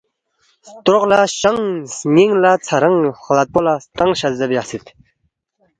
ستروق لا شنگ ، سنینگ لا ژھرنگ، خلدپو لا ستنگ شزدے بیاسید